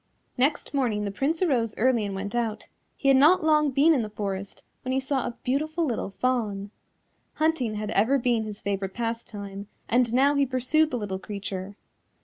Next morning the Prince arose early and went out; he had not long been in the forest when he saw a beautiful little Fawn. Hunting had ever been his favourite pastime, and now he pursued the little creature.